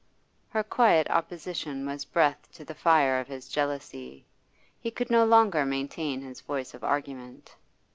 Her quiet opposition was breath to the fire of his jealousy. He could no longer maintain his voice of argument.